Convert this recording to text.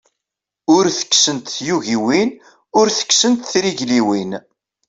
Ur tekksent tyugiwin, ur tekksent trigliwin.